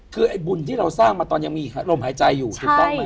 คือไอ้บุญที่เราสร้างมาตอนยังมีลมหายใจอยู่ถูกต้องไหม